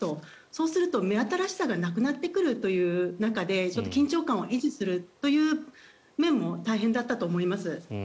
そうすると目新しさがなくなってくるという中で緊張感を維持するという面も大変だったと思います。